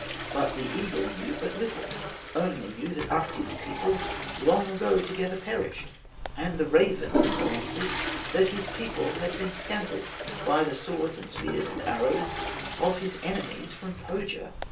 But the eagle knew but little, Only knew that Ahti's people Long ago together perished; And the raven also answered That his people had been scattered By the swords, and spears, and arrows, Of his enemies from Pohya.